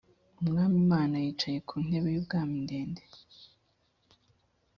umwami imana yicaye ku ntebe y ubwami ndende